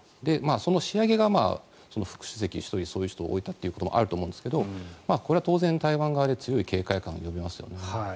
その仕上げが副主席に１人そういう人を置いたというのもあると思いますがこれは当然、台湾側で強い警戒感を呼びますよね。